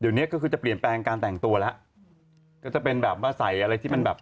เดี๋ยวนี้ก็คือจะเปลี่ยนแปลงการแต่งตัวแล้วก็จะเป็นแบบว่าใส่อะไรที่มันแบบ